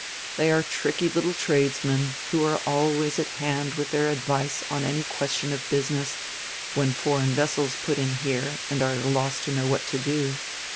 They are tricky little tradesmen, who are always at hand with their advice on any question of business, when foreign vessels put in here and are at a loss to know what to do.